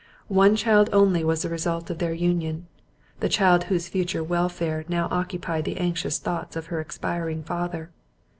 One child only was the result of their union, the child whose future welfare now occupied the anxious thoughts of her expiring father.